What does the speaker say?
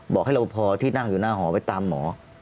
บอกให้เราพอที่นั่งอยู่หน้าหอไปตามหมอ